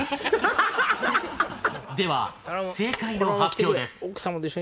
では正解の発表です。